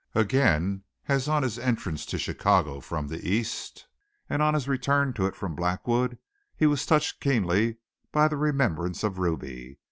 Again as on his entrance to Chicago from the East, and on his return to it from Blackwood, he was touched keenly by the remembrance of Ruby.